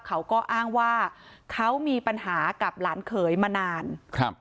เขาก็อ้างว่าเขามีปัญหากับหลานเขยมานานครับ